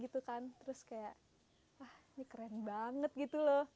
terus kayak wah ini keren banget